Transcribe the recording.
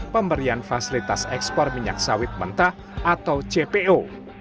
pemberian fasilitas ekspor minyak sawit mentah atau cpo